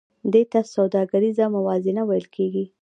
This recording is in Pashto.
دې ته سوداګریزه موازنه ویل کېږي